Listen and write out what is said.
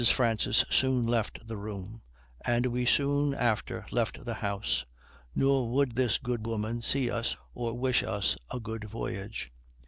Francis soon left the room, and we soon after left the house; nor would this good woman see us or wish us a good voyage.